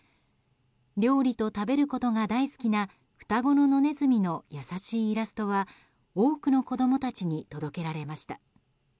料理と食べることが大好きな双子の野ネズミの優しいイラストは多くの子供たちに届けられました。